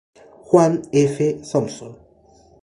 Juan F. Thomson.